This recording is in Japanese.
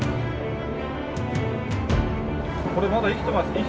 これまだ生きてます